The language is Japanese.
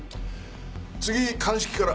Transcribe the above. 次鑑識から。